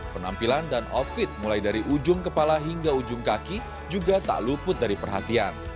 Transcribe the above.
penampilan dan outfit mulai dari ujung kepala hingga ujung kaki juga tak luput dari perhatian